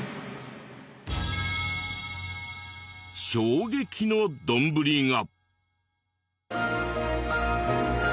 衝撃の丼が！